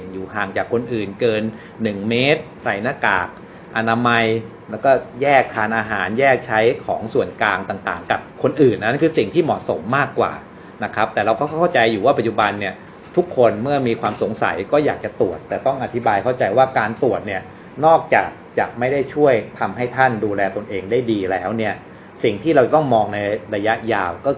อยู่ห่างจากคนอื่นเกิน๑เมตรใส่หน้ากากอนามัยแล้วก็แยกทานอาหารแยกใช้ของส่วนกลางต่างกับคนอื่นนั้นคือสิ่งที่เหมาะสมมากกว่านะครับแต่เราก็เข้าใจอยู่ว่าปัจจุบันเนี่ยทุกคนเมื่อมีความสงสัยก็อยากจะตรวจแต่ต้องอธิบายเข้าใจว่าการตรวจเนี่ยนอกจากจะไม่ได้ช่วยทำให้ท่านดูแลตนเองได้ดีแล้วเนี่ยสิ่งที่เราจะต้องมองในระยะยาวก็คือ